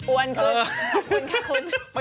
อ้วนขึ้น